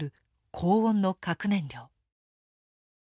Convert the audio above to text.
高温の核燃料。